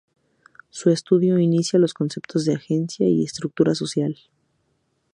Su estudio inicia los conceptos de agencia y estructura social.